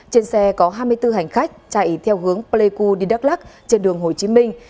trên xe có hai mươi bốn hành khách chạy theo hướng pleiku đi đắk lắc trên đường hồ chí minh